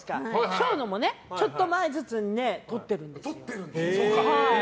ショーのもちょっと前ずつにとってるんです。